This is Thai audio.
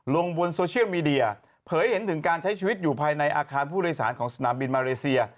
ลงบนโซเชียลมีเดียเผยเห็นถึงการใช้ชีวิตอยู่ภายในอาคารผู้โดยสารของสนามบินมาเลเซีย